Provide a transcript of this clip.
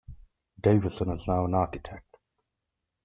Davison is now an architect.